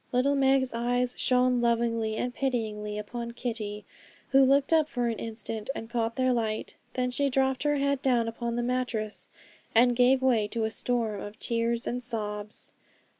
Little Meg's eyes shone lovingly and pityingly upon Kitty, who looked up for an instant, and caught their light. Then she dropped her head down upon the mattress, and gave way to a storm of tears and sobs.